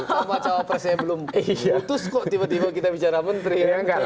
kalau wakil presidennya belum putus kok tiba tiba kita bicara menteri